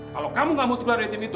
kalau kamu gak mau keluar dari tim itu